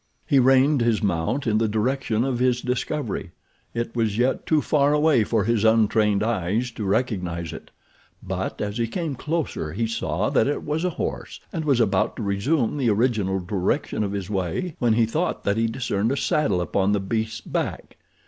He reined his mount in the direction of his discovery. It was yet too far away for his untrained eyes to recognize it; but as he came closer he saw that it was a horse, and was about to resume the original direction of his way when he thought that he discerned a saddle upon the beast's back.